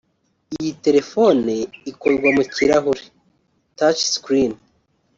Iyi telefone ikorwa mu kirahuri (Touch Screen)